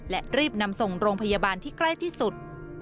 และรีบนำส่งโรงพยาบาลที่ใกล้ที่สุด